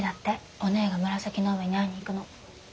おねぇが紫の上に会いに行くの。